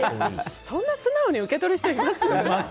そんな素直に受け取る人います？